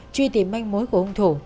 truy tìm manh mối của hung thủ